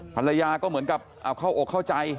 ภรรยาก็เหมือนกับเอาเข้าอกเข้าใจ